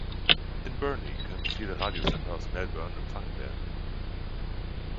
In Burnie können viele Radiosender aus Melbourne empfangen werden.